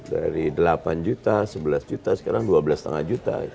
dari delapan juta sebelas juta sekarang dua belas lima juta